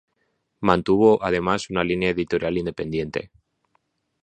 Mantuvo, además, una línea editorial independiente.